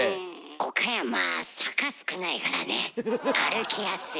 岡山坂少ないからね歩きやすい。